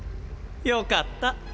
よかった。